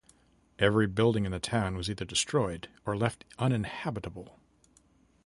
Every building in the town was either destroyed or left uninhabitable.